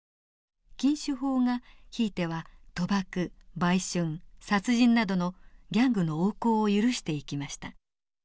禁酒法がひいては賭博売春殺人などのギャングの横行を許していきました。